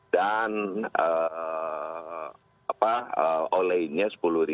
dan olainya sepuluh tiga ratus